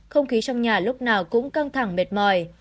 không khí trong nhà lúc nào cũng căng thẳng mệt mỏi